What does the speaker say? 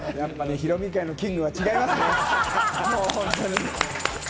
ヒロミ界のキングは違いますね。